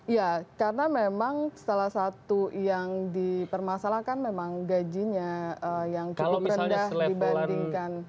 ya karena memang salah satu yang dipermasalahkan memang gajinya yang cukup rendah dibandingkan